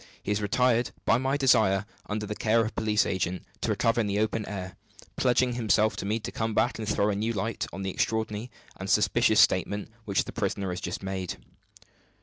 He has retired by my desire, under the care of a police agent, to recover in the open air; pledging himself to me to come back and throw a new light on the extraordinary and suspicious statement which the prisoner has just made.